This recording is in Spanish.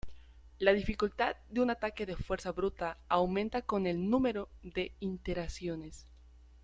La dificultad de un ataque de fuerza bruta aumenta con el número de iteraciones.